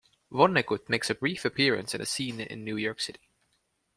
Vonnegut makes a brief appearance in a scene in New York City.